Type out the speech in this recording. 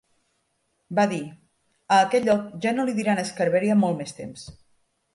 Va dir: "A aquest lloc ja no li diran Scarberia molt més temps".